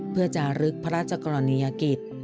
เพื่อจะลึกพระราชกรณียกิจ